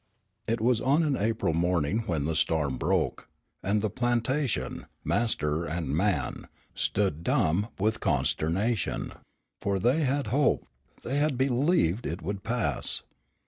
It was on an April morning when the storm broke, and the plantation, master and man, stood dumb with consternation, for they had hoped, they had believed, it would pass.